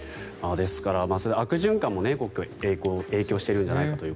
ですから悪循環も影響しているんじゃないかと。